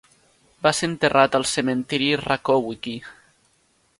Va ser enterrat al Cementiri de Rakowicki.